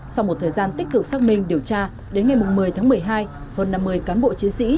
sau một thời gian tích cực xác minh điều tra đến ngày một mươi tháng một mươi hai hơn năm mươi cán bộ chiến sĩ